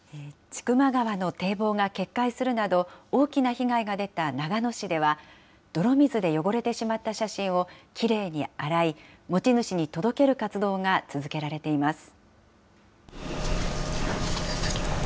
千曲川の堤防が決壊するなど、大きな被害が出た長野市では、泥水で汚れてしまった写真をきれいに洗い、持ち主に届ける活動が続けられています。